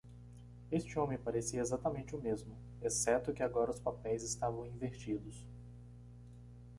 Este homem parecia exatamente o mesmo?, exceto que agora os papéis estavam invertidos.